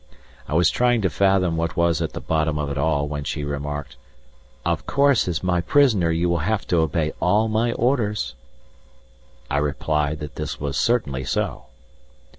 I was trying to fathom what was at the bottom of it all when she remarked: "Of course, as my prisoner you will have to obey all my orders." I replied that this was certainly so.